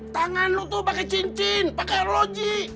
tangan lo tuh pake cincin pake eroji